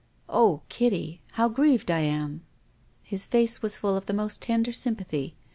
" Oh, Kitty ! How grieved I am !" His face was full of the most tender sympathy.